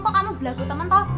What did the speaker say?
kok kamu belaku temen toh